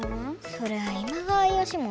それは今川義元。